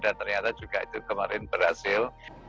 dan ternyata juga itu kemarin berhasil